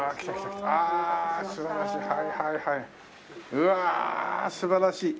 うわ！素晴らしい！